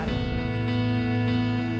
kang cecep udah sampai